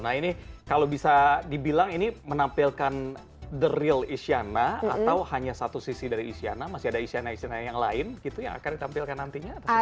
nah ini kalau bisa dibilang ini menampilkan the real isyana atau hanya satu sisi dari isyana masih ada isyana isyana yang lain gitu yang akan ditampilkan nantinya atau siapa